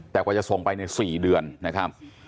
แต่กว่าจะส่งไปใน๔เดือนนะครับ